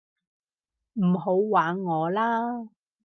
唔好玩我啦